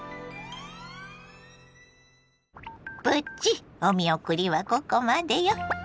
プチお見送りはここまでよ。